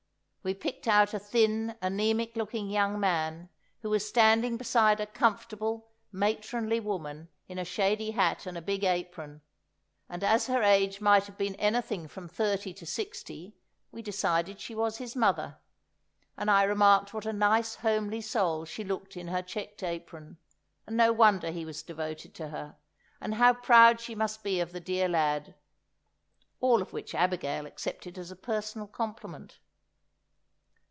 We picked out a thin, anæmic looking young man, who was standing beside a comfortable, matronly woman in a shady hat and a big apron; and as her age might have been anything from thirty to sixty, we decided she was his mother, and I remarked what a nice homely soul she looked in her checked apron, and no wonder he was devoted to her, and how proud she must be of the dear lad—all of which Abigail accepted as a personal compliment.